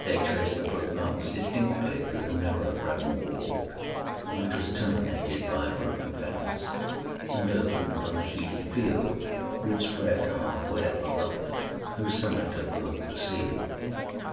They traced the foot marks distinctly through the narrow gravel walk, which was terminated by a broken fence, and opened on a heathy field which spread half way up a rock whose summit overlooked the sea.